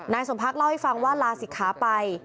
สมพักเล่าให้ฟังว่าลาศิกขาไป